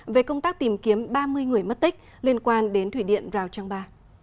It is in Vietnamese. về công tác tìm kiếm ba mươi người mất tích liên quan đến thủy điện rào trang ba